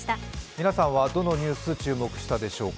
皆さんはどのニュース注目したでしょうか。